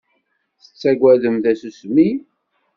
Tettaggadem tasusmi?